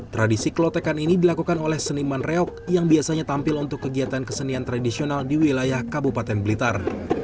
tradisi klotekan ini dilakukan oleh seniman reok yang biasanya tampil untuk kegiatan kesenian tradisional di wilayah kabupaten blitar